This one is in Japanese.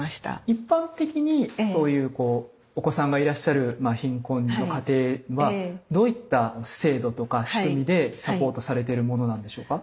一般的にそういうこうお子さんがいらっしゃる貧困の家庭はどういった制度とか仕組みでサポートされてるものなんでしょうか？